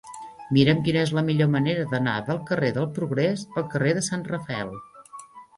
Mira'm quina és la millor manera d'anar del carrer del Progrés al carrer de Sant Rafael.